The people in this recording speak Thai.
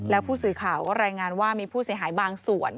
แล้วผู้สื่อข่าวก็รายงานว่ามีผู้เสียหายบางส่วน